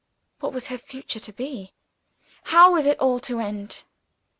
What was her future to be? How was it all to end?